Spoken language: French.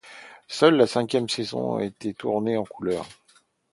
Seule la cinquième saison a été tournée en couleurs.